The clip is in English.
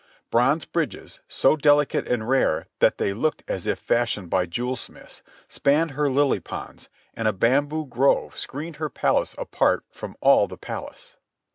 Bronze bridges, so delicate and rare that they looked as if fashioned by jewel smiths, spanned her lily ponds, and a bamboo grove screened her palace apart from all the palace.